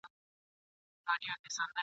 اوسېدلی نه په جبر نه په زور وو ..